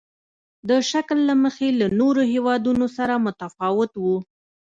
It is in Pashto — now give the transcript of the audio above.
د شکل له مخې له نورو هېوادونو سره متفاوت وو.